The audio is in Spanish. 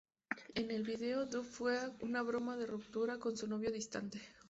En el video, Duff juega una broma de ruptura con su novio distante.